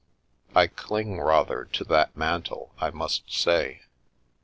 I cling rather to that mantle, I must say.